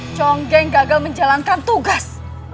conggeng gagal menjalankan tugas